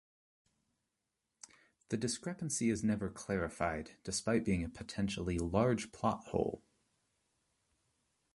The discrepancy is never clarified, despite being a potentially large plot hole.